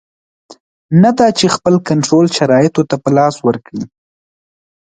نه دا چې خپل کنټرول شرایطو ته په لاس ورکړي.